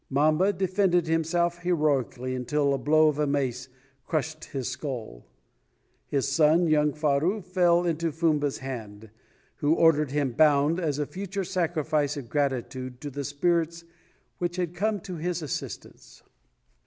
Mamba defended himself heroically until a blow of a mace crushed his skull. His son, young Faru, fell into Fumba's hand, who ordered him bound, as a future sacrifice of gratitude to the spirits which had come to his assistance.